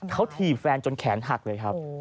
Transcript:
เขาถีบแฟนจนแขนหักเลยครับ